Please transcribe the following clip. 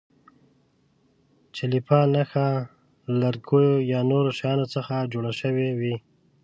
د چلیپا نښه له لرګیو یا نورو شیانو څخه جوړه شوې وي.